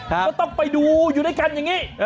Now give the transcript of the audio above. ก็ต้องไปดูอยู่ด้วยกันอย่างนี้